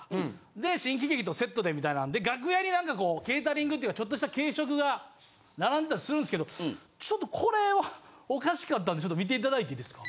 で新喜劇とセットでみたいなんで楽屋に何かこうケータリングっていうかちょっとした軽食が並んでたりするんですけどちょっとこれはおかしかったんでちょっと見ていただいていいですか？